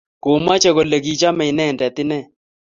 Komache kole kichome inendet ine